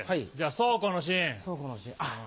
倉庫のシーン。